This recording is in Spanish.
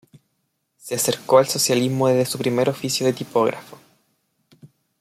Se acercó al socialismo desde su primer oficio de tipógrafo.